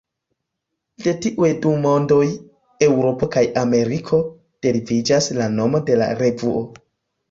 De tiuj du "mondoj", Eŭropo kaj Ameriko, deriviĝas la nomo de la revuo.